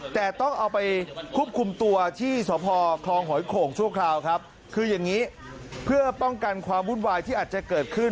แต่ต้องเอาไปควบคุมตัวที่สพคลองหอยโข่งชั่วคราวครับคืออย่างนี้เพื่อป้องกันความวุ่นวายที่อาจจะเกิดขึ้น